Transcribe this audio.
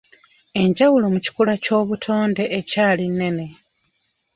Enjawulo mu kikula ky'obutonde ekyali nnene.